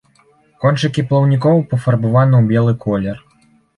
Кончыкі плаўнікоў пафарбаваны ў белы колер.